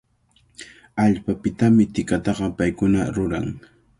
Allpapitami tikataqa paykuna ruran.